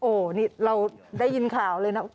โอ้โหนี่เราได้ยินข่าวเลยนะ